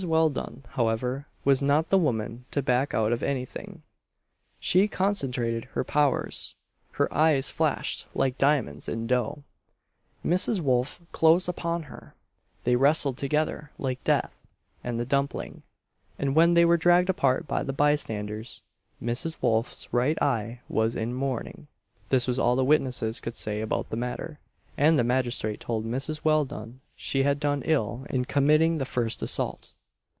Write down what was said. Welldone, however, was not the woman to back out of anything she concentrated her powers her eyes flashed like diamonds in dough, Mrs. Wolf closed upon her, they wrestled together like Death and the Dumpling, and when they were dragged apart by the bystanders, Mrs. Wolf's right eye was in mourning. This was all the witnesses could say about the matter, and the magistrate told Mrs. Welldone, she had done ill in committing the first assault.